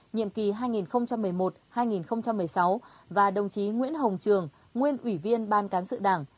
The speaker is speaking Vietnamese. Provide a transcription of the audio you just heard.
nhiệm kỳ hai nghìn một mươi một hai nghìn một mươi sáu và đồng chí nguyễn hồng trường nguyên ủy viên ban cán sự đảng